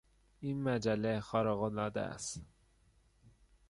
این مجله خارقالعاده است.